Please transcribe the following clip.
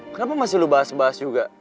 kenapa masih lu bahas bahas juga